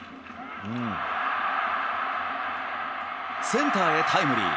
センターへタイムリー。